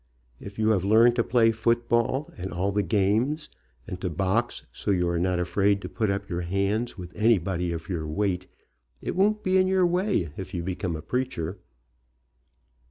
If you have learned to play football and all the games, and to box so you are not afraid to put up your hands with anybody of your weight, it won't be in your way if you become a preacher.